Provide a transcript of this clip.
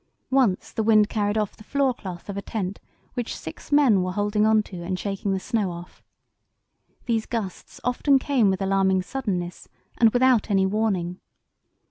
Once the wind carried off the floor cloth of a tent which six men were holding on to and shaking the snow off. These gusts often came with alarming suddenness; and without any warning.